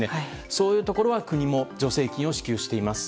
そういうところは国も助成金を支給しています。